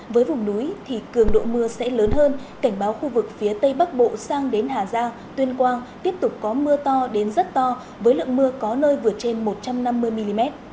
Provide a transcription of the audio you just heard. với vùng núi thì cường độ mưa sẽ lớn hơn cảnh báo khu vực phía tây bắc bộ sang đến hà giang tuyên quang tiếp tục có mưa to đến rất to với lượng mưa có nơi vượt trên một trăm năm mươi mm